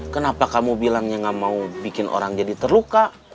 kenapa kamu bilangnya gak mau bikin orang jadi terluka